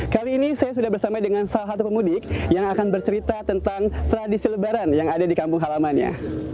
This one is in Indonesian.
kali ini saya sudah bersama dengan salah satu pemudik yang akan bercerita tentang tradisi lebaran yang ada di kampung halamannya